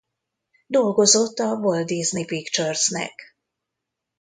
Dolgozott a Walt Disney Picures-nek.